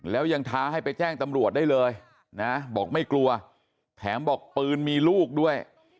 แล้วยังท้าให้ไปแจ้งตำรวจได้เลยนะบอกไม่กลัวแถมบอกปืนมีลูกด้วย